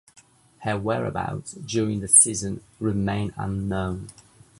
Her whereabouts during the season remain unknown.